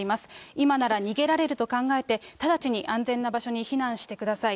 今なら逃げられると考えて、直ちに安全な場所に避難してください。